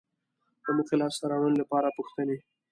د موخې لاسته راوړنې لپاره پوښتنې